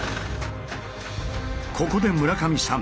ここで村上さん